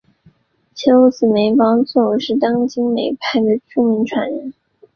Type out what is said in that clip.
其幼子梅葆玖是当今梅派的著名传人。